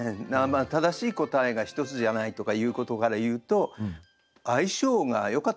正しい答えが１つじゃないとかいうことからいうと相性がよかったんじゃないですかね。